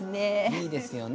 いいですよね